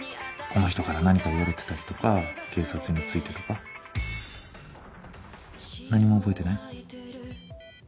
この人から何か言われてたりとか警察についてとか。何も覚えてない？